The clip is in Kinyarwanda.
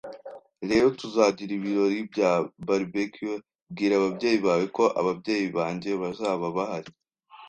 Rero tuzagira ibirori bya barbecue. Bwira ababyeyi bawe ko ababyeyi banjye bazaba bahari.